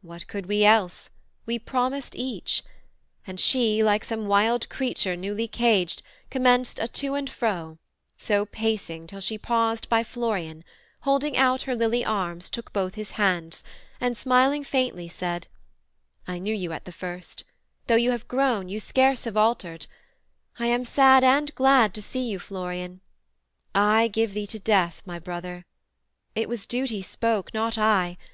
What could we else, we promised each; and she, Like some wild creature newly caged, commenced A to and fro, so pacing till she paused By Florian; holding out her lily arms Took both his hands, and smiling faintly said: 'I knew you at the first: though you have grown You scarce have altered: I am sad and glad To see you, Florian. I give thee to death My brother! it was duty spoke, not I.